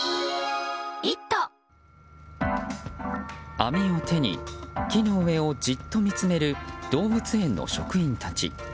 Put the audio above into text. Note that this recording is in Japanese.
網を手に木の上をじっと見つめる動物園の職員たち。